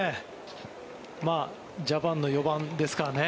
ジャパンの４番ですからね。